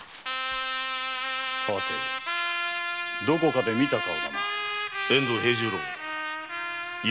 どこかで見た顔だな。